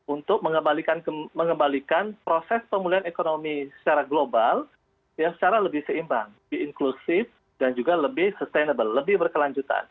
untuk mengembalikan proses pemulihan ekonomi secara global secara lebih seimbang lebih inklusif dan juga lebih sustainable lebih berkelanjutan